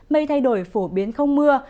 mây thay đổi phổ biến không mưa